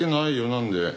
なんで？